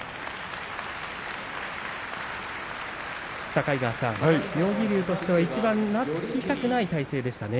境川さん、妙義龍としてはいちばんなりたくない体勢でしたね。